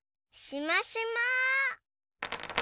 しましま。